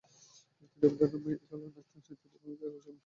তিনি রবীন্দ্রনাথের "মায়ার খেলা" নৃত্য-নাট্যে পদ্মের ভূমিকায় কাজ করেন।